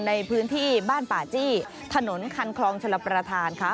ในพื้นที่บ้านป่าจี้ถนนคันคลองชลประธานค่ะ